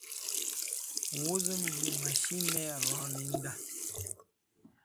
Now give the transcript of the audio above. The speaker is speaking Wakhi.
Wuzem yi mashine Ronindah